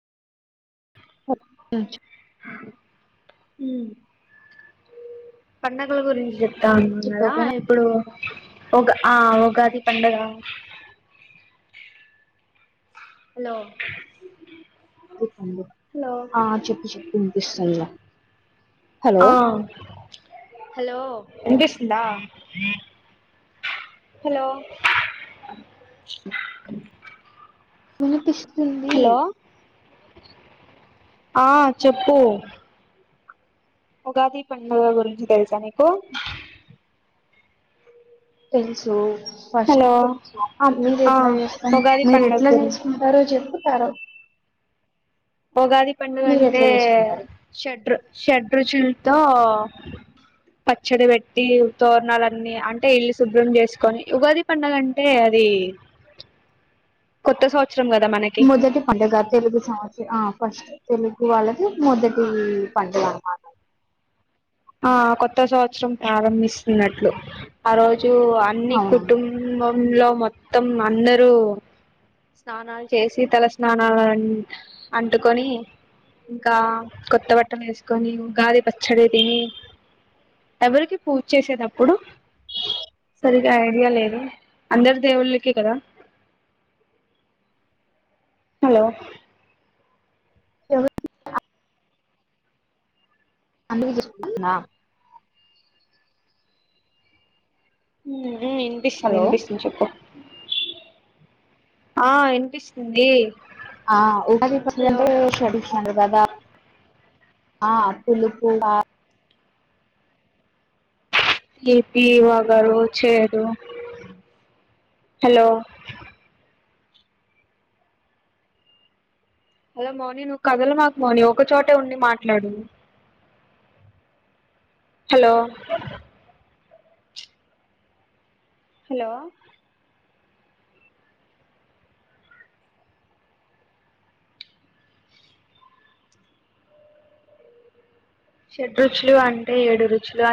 ఓ ఊ పండగలకు ఏం చెప్పు న్నలా ఓకేనా ఇప్పుడు ఉగ్ ఆ ఉగాది పండగ హలో చెప్పండి హలో ఆ చెప్పు చెప్పు పనిపిస్తలా ఆ హలో వినిపిస్తుందా హలో వినిపిస్తుంది హలో ఆ చెప్పు ఉగాది పండుగ గురించి తెలుసా నికు తెల్సు ఫస్ట్ హలో ఆ మీరు ఎట్లా చేస్తాం ఉగాది మీరు పండుగ ఎట్లా గురించి చేసుకుంటారో చెప్పు సరు ఉగాది పండుగ అంటే షడ్రు షడ్రు చుల్ తో పచ్చడి పెట్టి తోరణాలన్నీ అంటే ఇల్లి శుభ్రం చేసుకొని ఉగాది పండుగ అంటే అది ది కొత్త సం మొదటి పండుగ తెలుగు సంవత్స ఆ ఫస్ట్ తెలుగు వాళ్ళ మొదటి పండుగన్నమట్ ఆ కొత్త సంవత్సరం ప్రారంభిస్తున్నట్లు ఆ రోజ్ జు అన్ని అవునవును కుటుంబంలో మొత్తం అందరూ స్నానాలు చేసి తల స్నానాలు అంటుకొని ఇంకా కొత్త బట్టం వేసుకొని ఉగాది పచ్చడి తిని ఎవరికి పూజ చేసేది అప్పుడు సరిగా ఐడియా లేదు అందరు దేవుళ్ళకే కదా హలో ఎవరి ఆ అందుకు జె స్ హు మ్ వినిపిస్తుంది హలో వినిపిస్తుంది చెప్పు ఆ వినిపిస్తుంది ఆ ఉగాది పచ్చడి హలో అంటే షేడ్రుర్చులంటారు కదా ఆ పులుపు ఆ తిపి వగరు చేదు హలో హలో మోని నువ్వు కదలమాకు మోని ఒకచోటే ఉండి మాట్లాడు హలో హలో షడ్ రుచులు అంటే ఏడు రుచులు అన్